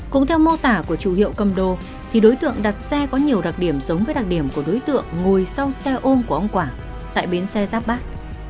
cũng theo mô tả của chủ hiệu cầm đô thì đối tượng đặt xe có nhiều đặc điểm giống với đặc điểm của đối tượng ngồi sau xe ôm của ông quảng tại bến xe giáp bát